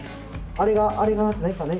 あれがあれが何か。